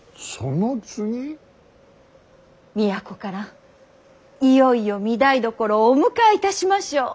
都からいよいよ御台所をお迎えいたしましょう。